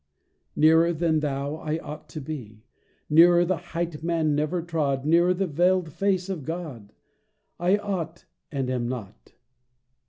Nearer than you, I ought to be; Nearer the height man never trod, Nearer the veiled face of God. I ought, and am not.